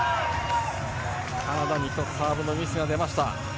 カナダに１つサーブのミスが出ました。